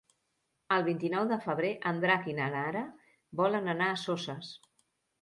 El vint-i-nou de febrer en Drac i na Nara volen anar a Soses.